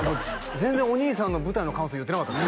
全然お兄さんの舞台の感想言ってなかったです